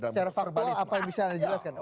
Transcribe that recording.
secara faktor apa yang bisa dijelaskan